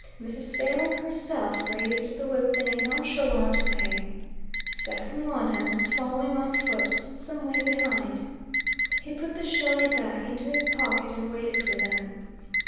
Mrs. Failing herself raised the whip in a nonchalant way. Stephen Wonham was following on foot, some way behind. He put the Shelley back into his pocket and waited for them.